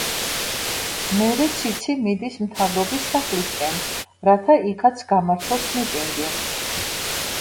მერე ციცი მიდის მთავრობის სახლისკენ, რათა იქაც გამართოს მიტინგი.